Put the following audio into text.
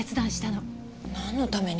なんのために？